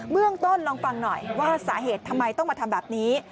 เมืองต้นลองฟังหน่อยว่าสาเหตุทำไมต้องมาทำแบบนี้